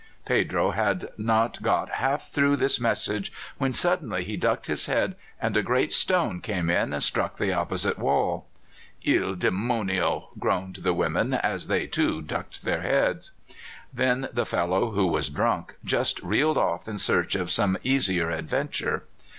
Pedro had not got half through this message, when suddenly he ducked his head, and a great stone came in and struck the opposite wall. "Il demonio!" groaned the women, as they, too, ducked their heads. Then the fellow, who was drunk, just reeled off in search of some easier adventure.